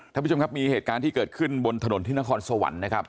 ท่านผู้ชมครับมีเหตุการณ์ที่เกิดขึ้นบนถนนที่นครสวรรค์นะครับ